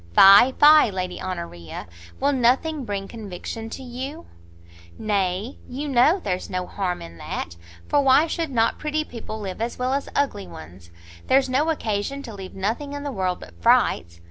"Fie, fie, Lady Honoria! will nothing bring conviction to you?" "Nay, you know, there's no harm in that, for why should not pretty people live as well as ugly ones? There's no occasion to leave nothing in the world but frights.